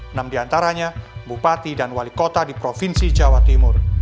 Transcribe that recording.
enam diantaranya bupati dan wali kota di provinsi jawa timur